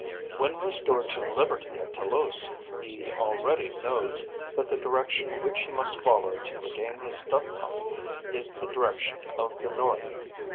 When restored to liberty at Toulouse, he already knows that the direction which he must follow to regain his Dove cot is the direction of the north.